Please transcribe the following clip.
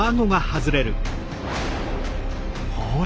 ほら！